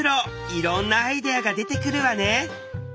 いろんなアイデアが出てくるわね。